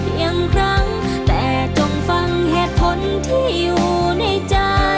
อีกครั้งแต่จงฟังเหตุผลที่อยู่ในใจ